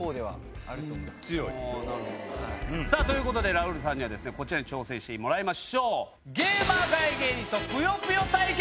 ラウールさんにはこちらに挑戦してもらいましょう。